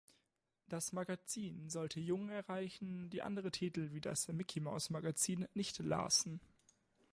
Das Magazin sollte Jungen erreichen, die andere Titel wie das "Micky-Maus-Magazin" nicht lasen.